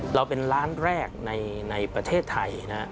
เราเป็นร้านแรกในประเทศไทยนะฮะ